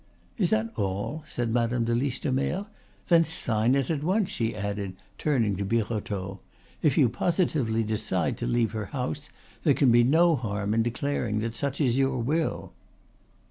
"Is that all?" said Madame de Listomere. "Then sign it at once," she added, turning to Birotteau. "If you positively decide to leave her house, there can be no harm in declaring that such is your will."